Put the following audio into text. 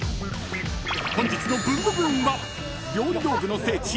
［本日の『ブンブブーン！』は料理道具の聖地